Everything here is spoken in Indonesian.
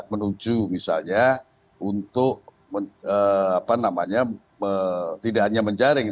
menuju misalnya untuk tidak hanya menjaring